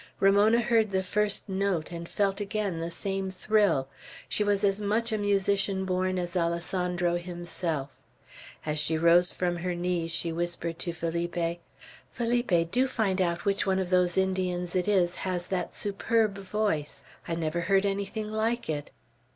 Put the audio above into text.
Ramona heard the first note, and felt again the same thrill. She was as much a musician born as Alessandro himself. As she rose from her knees, she whispered to Felipe: "Felipe, do find out which one of the Indians it is has that superb voice. I never heard anything like it."